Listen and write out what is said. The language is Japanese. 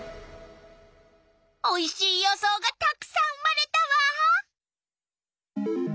おいしい予想がたくさん生まれたわ！